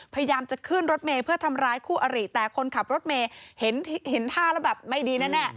พยายามจะขึ้นรถเมย์เพื่อทำร้ายคู่อริแต่คนขับรถเมย์เห็นท่าแล้วแบบไม่ดีแน่